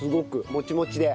モチモチで。